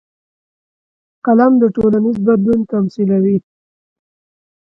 قلم د ټولنیز بدلون تمثیلوي